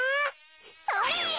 それ！